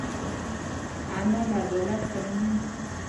انا له عدالت سره مینه لري